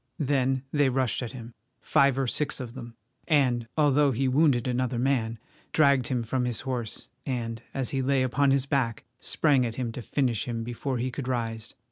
Then they rushed at him, five or six of them, and, although he wounded another man, dragged him from his horse, and, as he lay upon his back, sprang at him to finish him before he could rise.